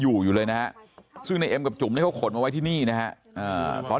อยู่อยู่เลยนะฮะซึ่งในเอ็มกับจุ๋มเนี่ยเขาขนมาไว้ที่นี่นะฮะตอน